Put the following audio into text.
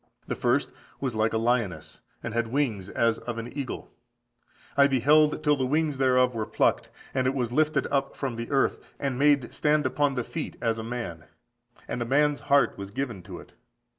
The first (was) like a lioness, and had wings as of an eagle. I beheld till the wings thereof were plucked, and it was lifted up from the earth, and made stand upon the feet as a man, and a man's heart was given to it.